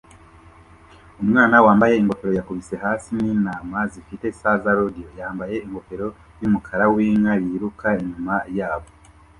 Umwana wambaye ingofero yakubise hasi nintama zifite saza rodeo yambaye ingofero yumukara winka yiruka inyuma yabo